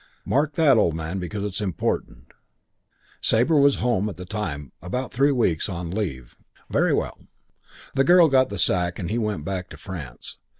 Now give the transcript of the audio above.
Mark that, old man, because it's important. Sabre was at home at the time about three weeks on leave. "Very well. The girl got the sack and he went back to France.